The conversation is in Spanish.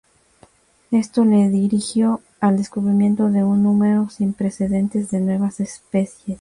Esto le dirigió al descubrimiento de un número sin precedentes de nuevas especies.